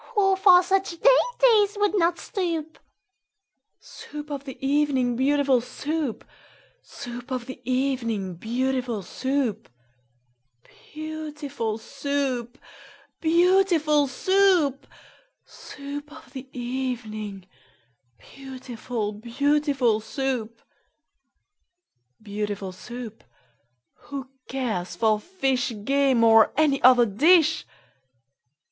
Who for such dainties would not stoop? Soup of the evening, beautiful Soup! Soup of the evening, beautiful Soup! Beau ootiful Soo oop! Beau ootiful Soo oop! Soo oop of the e e evening, Beautiful, beautiful Soup! Beautiful Soup! Who cares for fish, Game, or any other dish?